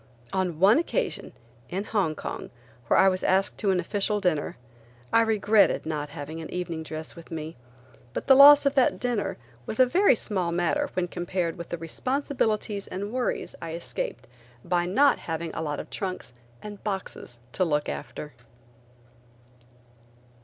On one occasion–in Hong Kong, where I was asked to an official dinner–I regretted not having an evening dress with me, but the loss of that dinner was a very small matter when compared with the responsibilities and worries I escaped by not having a lot of trunks and boxes to look after.